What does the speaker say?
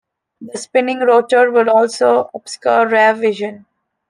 The spinning rotor would also obscure rear vision.